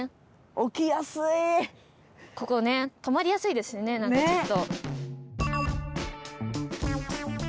ここねとまりやすいですしねちょっと。